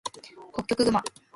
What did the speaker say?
ホッキョクグマ